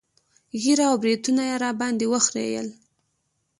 ږيره او برېتونه يې راباندې وخرييل.